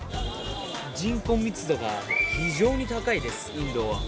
人口密度が非常に高いですインドは。